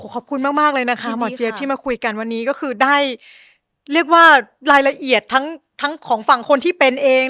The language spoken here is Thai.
ขอบคุณมากเลยนะคะหมอเจี๊ยบที่มาคุยกันวันนี้ก็คือได้เรียกว่ารายละเอียดทั้งของฝั่งคนที่เป็นเอง